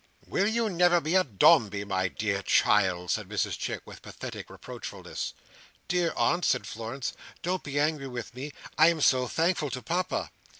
"Will you never be a Dombey, my dear child!" said Mrs Chick, with pathetic reproachfulness. "Dear aunt," said Florence. "Don't be angry with me. I am so thankful to Papa!"